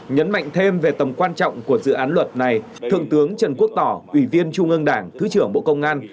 nhấn mạnh thêm về tầm quan trọng của dự án luật này thượng tướng trần quốc tỏ ủy viên trung ương đảng thứ trưởng bộ công an